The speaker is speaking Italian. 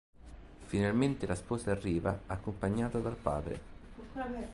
Finalmente la sposa arriva, accompagnata dal padre.